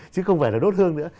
chứ không phải là đốt hương nữa